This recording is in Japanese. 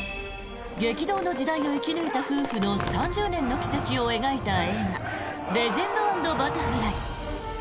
激動の時代を生き抜いた夫婦の３０年の軌跡を描いた映画「レジェンド＆バタフライ」。